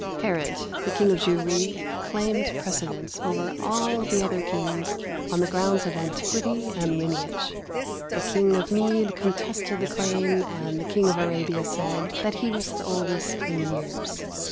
Herod, the King of Jewry, claimed precedence over all the other Kings on the grounds of antiquity and lineage. The King of Mede contested the claim, and the King of Arabia said that he was the oldest in years.